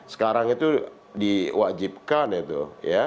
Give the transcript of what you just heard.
sekarang itu diwajibkan itu